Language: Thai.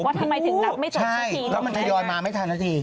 ว่าทำไมถึงนับไม่ทันทีใช่แล้วมันจะยอดมาไม่ทันที